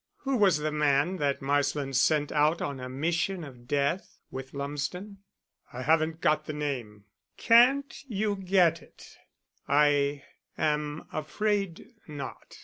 "Who was the man that Marsland sent out on a mission of death with Lumsden?" "I haven't got the name." "Can't you get it?" "I am afraid not.